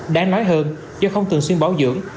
đáng nói hơn do không thường xuyên bảo dưỡng